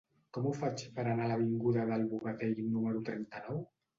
Com ho faig per anar a l'avinguda del Bogatell número trenta-nou?